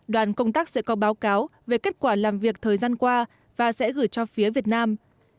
đoàn công tác sẽ có báo cáo về kết quả làm việc thời gian qua và sẽ gửi cho phái đoàn eu